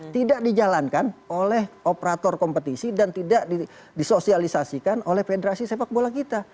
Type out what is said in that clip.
tidak dijalankan oleh operator kompetisi dan tidak disosialisasikan oleh federasi sepak bola kita